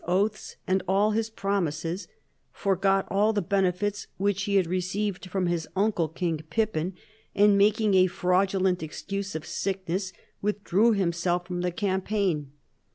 171 oaths and all his promises, forgot all the benefits which he had received from his uncle, King Pippin, and, making a fraudulent excuse of sickness, with drew himself from the campaign.